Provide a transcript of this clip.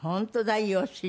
いいお尻だ。